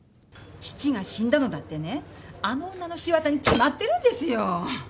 父が死んだのだってねあの女の仕業に決まってるんですよ！